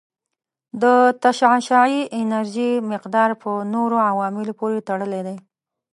د تشعشعي انرژي مقدار په نورو عواملو پورې تړلی دی.